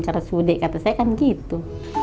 karena sudik kata saya kan gitu